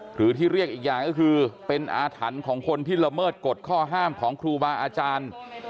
หรือที่เรียกอีกอย่างก็คือเป็นอาถรรพ์ของคนที่ละเมิดกฎข้อห้ามของครูบาอาจารย์